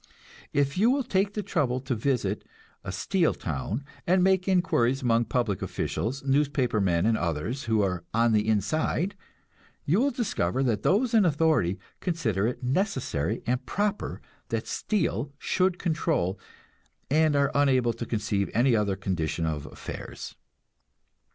If you will take the trouble to visit a "steel town," and make inquiries among public officials, newspaper men, and others who are "on the inside," you will discover that those in authority consider it necessary and proper that "steel" should control, and are unable to conceive any other condition of affairs.